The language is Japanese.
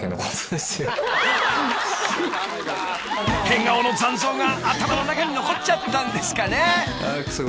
［変顔の残像が頭の中に残っちゃったんですかね？］